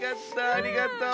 ありがとう。